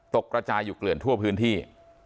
กระจายอยู่เกลื่อนทั่วพื้นที่